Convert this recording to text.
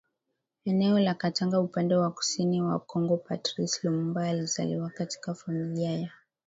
eneo la Katanga upande wa kusini wa KongoPatrice Lumumba alizaliwa katika familia ya